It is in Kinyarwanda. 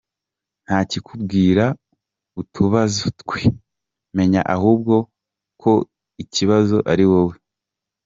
Ntakikubwira utubazo twe, menya ahubwo ko ikibazo ari wowe.